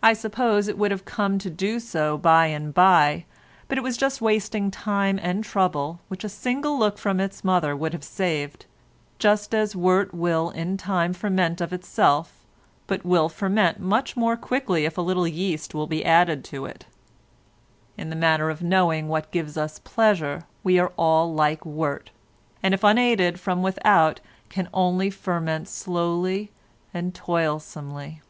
I suppose it would have come to do so by and by, but it was wasting time and trouble, which a single look from its mother would have saved, just as wort will in time ferment of itself, but will ferment much more quickly if a little yeast be added to it. In the matter of knowing what gives us pleasure we are all like wort, and if unaided from without can only ferment slowly and toilsomely.